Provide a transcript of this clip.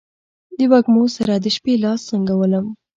د وږمو سره، د شپې لاس زنګولم